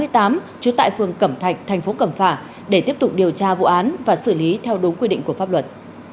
trú tại phường cẩm thạch thành phố cẩm phả để tiếp tục điều tra vụ án và xử lý theo đúng quy định của pháp luật